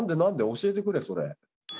教えてくれそれ。